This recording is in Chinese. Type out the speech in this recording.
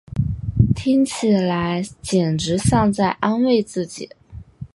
听起来简直像在安慰自己